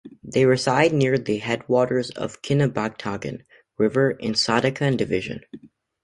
They reside near the headwaters of Kinabatangan River, in Sandakan Division.